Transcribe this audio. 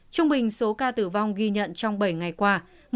trung bình số ca tử vong ghi nhận trong bảy ngày qua